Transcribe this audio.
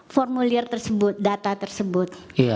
formulir tersebut data tersebut